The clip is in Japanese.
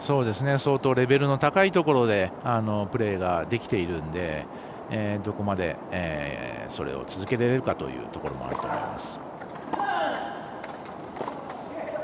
相当レベルの高いところでプレーができているのでどこまでそれを続けられるかというところもあると思います。